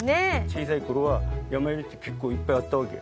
小さい頃はヤマユリって結構いっぱいあったわけ。